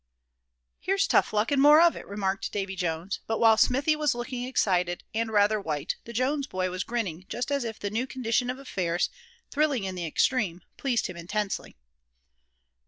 "Here's tough luck, and more of it!" remarked Davy Jones; but while Smithy was looking excited, and rather white, the Jones boy was grinning, just as if the new condition of affairs, thrilling in the extreme, pleased him intensely.